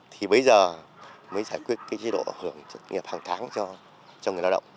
thì bây giờ mới giải quyết cái chế độ hưởng nghiệp hàng tháng cho người lao động